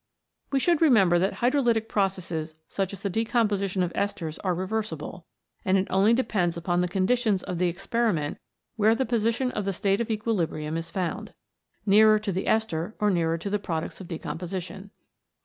We should remember that hydrolytic processes CATALYSIS AND THE ENZYMES such as the decomposition of esters are reversible, and it only depends upon the conditions of the experiment where the position of the state of equilibrium is found : nearer to the ester or nearer to the products of decomposition.